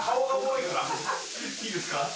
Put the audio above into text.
いいですか？